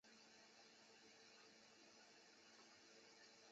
通过该种抽象类别可以把更高级别的抽象内容增加到容器化组件。